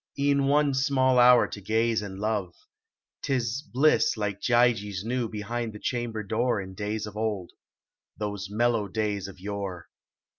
E en one small hour to gaze and love. Tis bliss Like Gyges knew behind the chamlxjr door In days of old. Those mellow days of yore.